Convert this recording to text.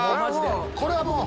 これはもう。